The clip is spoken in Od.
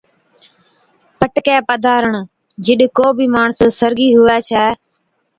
پٽڪَي پڌارڻ، جِڏ ڪو بِي ماڻس سرگِي ھُوَي ڇَي